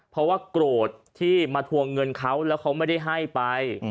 เพราะว่าโกรธที่มาทวงเงินเขาแล้วเขาไม่ได้ให้ไป